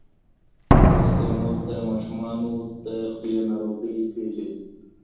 لوستې مور د ماشومانو د ؛خولې ناروغۍ پېژني.